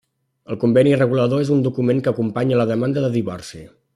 El conveni regulador és un document que acompanya la demanda de divorci.